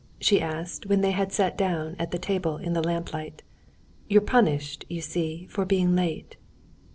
she asked, when they had sat down at the table in the lamplight. "You're punished, you see, for being late."